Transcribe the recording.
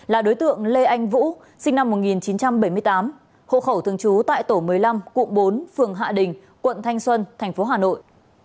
là đối tượng lê anh vũ sinh năm một nghìn chín trăm bảy mươi tám hộ khẩu thường trú tại tổ một mươi năm cụm bốn phường hạ đình quận thanh xuân tp hà nội